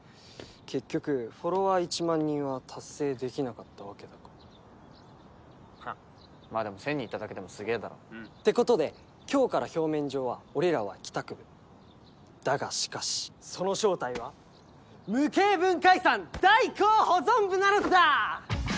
結局フォロワー１万人は達成できなかったわけだからはっまあでも１０００人いっただけでもすげえだろうんてことで今日から表面上は俺らは帰宅部だがしかしその正体は無形文化遺産代行保存部なのだ！